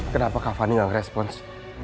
kenapa kak fani gak ngerespons